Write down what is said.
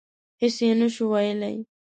هېڅ یې نه شو ویلای.